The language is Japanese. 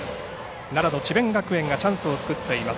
奈良の智弁学園がチャンスを作っています。